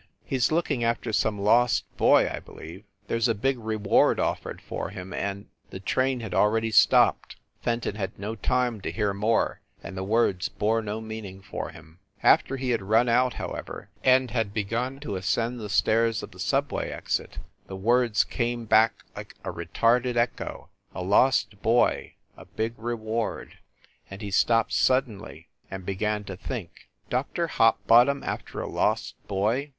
"He s looking after some lost boy, I believe. There s a big reward offered for him, and " The train had already stopped. Fenton had no time to hear more, and the words bore no meaning for him. After he had run out, however, and had begun to ascend the stairs of the subway exit, the words came back like a retarded echo "a lost boy a big reward," and he stopped suddenly and be THE SUBWAY EXPRESS 203 gan to think. Dr. Hopbottom after a lost boy?